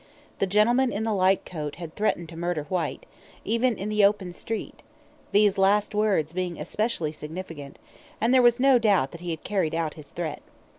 The gentleman in the light coat had threatened to murder Whyte, even in the open street these last words being especially significant and there was no doubt that he had carried out his threat.